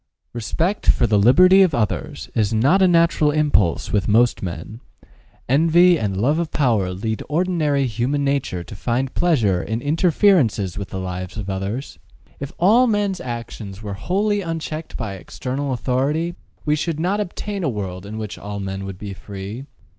Respect for the liberty of others is not a natural impulse with most men: envy and love of power lead ordinary human nature to find pleasure in interferences with the lives of others. If all men's actions were wholly unchecked by external authority, we should not obtain a world in which all men would be free.